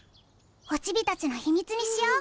オチビたちのひみつにしよう。